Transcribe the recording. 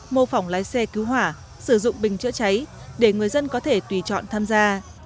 mô phỏng lái xe cứu hỏa sử dụng bình chữa cháy để người dân có thể tùy chọn tham gia